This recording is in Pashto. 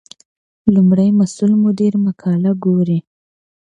لومړی مسؤل مدیر مقاله ګوري.